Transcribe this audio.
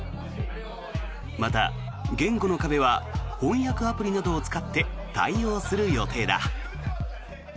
また、言語の壁は翻訳アプリなどを使って対応する予定だ。